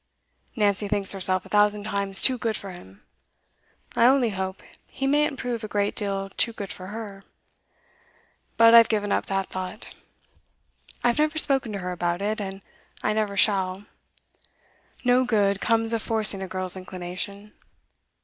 Nancy thinks herself a thousand times too good for him; I only hope he mayn't prove a great deal too good for her. But I've given up that thought. I've never spoken to her about it, and I never shall; no good comes of forcing a girl's inclination.